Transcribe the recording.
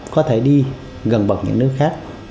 có thể đi gần bậc những nước khác